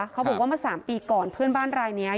เขาบอกว่าเมื่อ๓ปีก่อนเพื่อนบ้านรายนี้